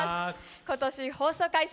今年放送開始